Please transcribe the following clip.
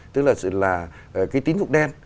tức là cái tín dụng đen